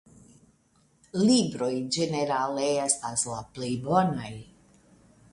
Libroj ĝenerale estas la plej bonaj.